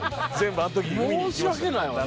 申し訳ないわな。